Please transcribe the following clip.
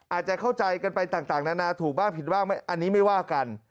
อาจจะเข้าใจกันไปต่างนานาถูกบ้างผิดบ้างอันนี้ไม่ว่ากัน